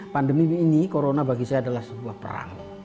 pandemi ini corona bagi saya adalah sebuah perang